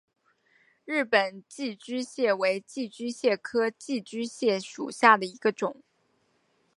日本寄居蟹为寄居蟹科寄居蟹属下的一个种。